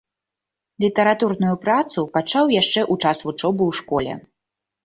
Літаратурную працу пачаў яшчэ ў час вучобы ў школе.